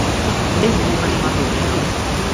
Без бога нема добрина.